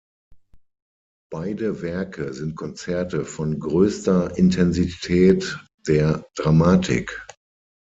Beide Werke sind Konzerte von größter Intensität der Dramatik.